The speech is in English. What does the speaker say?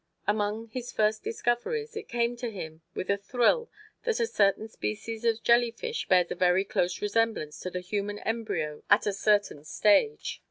Among his first discoveries, it came to him with a thrill that a certain species of jellyfish bears a very close resemblance to the human embryo at a certain stage.